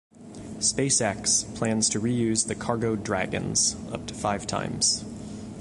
SpaceX plans to reuse the Cargo Dragons up to five times.